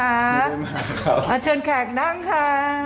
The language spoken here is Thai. อารมณ์มากครับมาเชิญแขกนั่งค่ะ